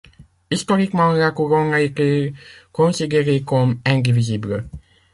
Historiquement, la Couronne était considérée comme indivisible.